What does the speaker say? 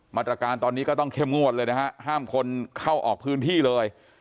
มาตรการตอนนี้ก็ต้องเข้มงวดเลยนะฮะห้ามคนเข้าออกพื้นที่เลย